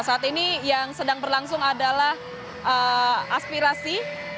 saat ini yang sedang berlangsung adalah aspirasi